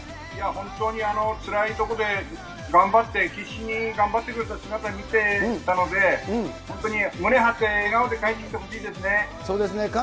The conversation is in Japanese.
いや本当に、つらいところで頑張って、必死に頑張ってくれた姿見てたので、本当に胸張って、そうですね。